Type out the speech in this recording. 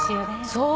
そう。